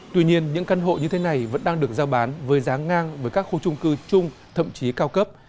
tuy nhiên những căn hộ như thế này vẫn đang được giao bán với giá ngang với các khu trung cư chung thậm chí cao cấp